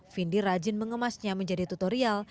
vindi rajin mengemasnya menjadi tutorial